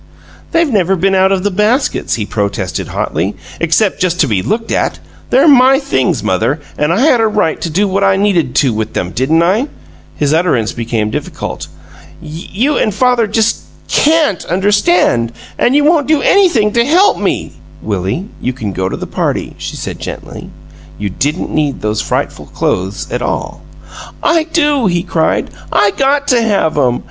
"They've never been out of the baskets," he protested, hotly, "except just to be looked at. They're MY things, mother, and I had a right to do what I needed to with 'em, didn't I?" His utterance became difficult. "You and father just CAN'T understand and you won't do anything to help me " "Willie, you can go to the party," she said, gently. "You didn't need those frightful clothes at all." "I do!" he cried. "I GOT to have 'em!